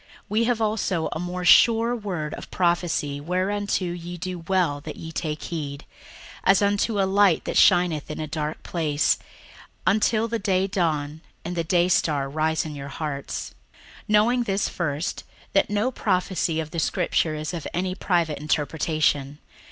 61:001:019 We have also a more sure word of prophecy; whereunto ye do well that ye take heed, as unto a light that shineth in a dark place, until the day dawn, and the day star arise in your hearts: 61:001:020 Knowing this first, that no prophecy of the scripture is of any private interpretation.